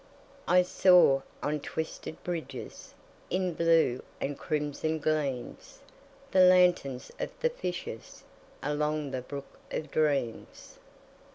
I saw, on twisted bridges, In blue and crimson gleams, The lanterns of the fishers, Along the brook of dreams.